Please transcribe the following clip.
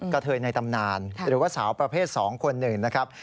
เทยในตำนานหรือว่าสาวประเภท๒คนหนึ่งนะครับ